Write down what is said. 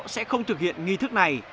sẽ không thực hiện nghi thức này